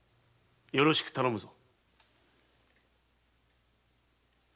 よろしく頼むぞ。